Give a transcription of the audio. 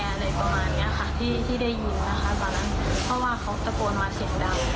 อะไรประมาณเนี้ยค่ะที่ที่ได้ยินนะคะตอนนั้นเพราะว่าเขาตะโกนมาเสียงดัง